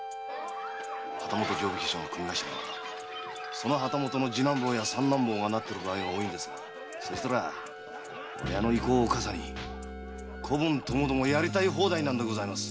旗本定火消しの組頭はその旗本の次男や三男がなる場合が多いのですがそいつらが親の威光をカサに子分ともどもやりたい放題なんでございます！